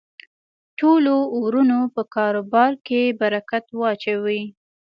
ټولو ورونو په کاربار کی برکت واچوی